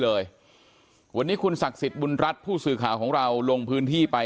เลยวันนี้คุณศักดิ์สิทธิ์บุญรัฐผู้สื่อข่าวของเราลงพื้นที่ไป